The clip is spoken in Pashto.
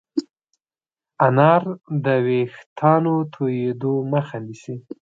انار د ويښتانو تویدو مخه نیسي.